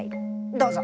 どうぞ。